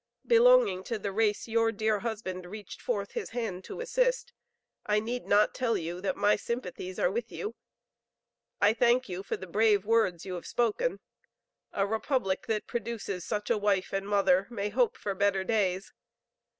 Belonging to the race your dear husband reached forth his hand to assist, I need not tell you that my sympathies are with you. I thank you for the brave words you have spoken. A republic that produces such a wife and mother may hope for better days.